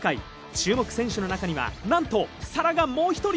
注目選手の中には、なんとサラがもう１人。